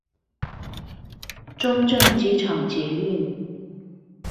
中正機場捷運